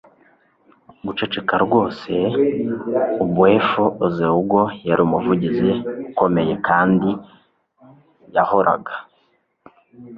guceceka rwose. ogbuefi ezeugo yari umuvugizi ukomeye kandi yahoraga